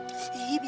ih biarin biarin